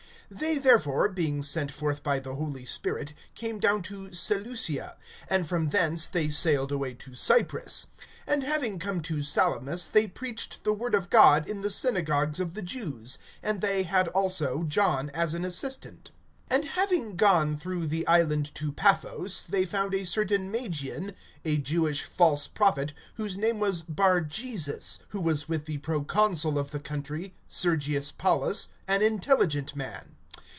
(4)They therefore, being sent forth by the Holy Spirit, came down to Seleucia; and from thence they sailed away to Cyprus. (5)And having come to Salamis, they preached the word of God in the synagogues of the Jews; and they had also John as an assistant. (6)And having gone through the island to Paphos, they found a certain Magian, a Jewish false prophet, whose name was Bar jesus; (7)who was with the proconsul of the country, Sergius Paulus, an intelligent man.